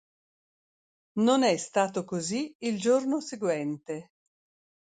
Non è stato così il giorno seguente.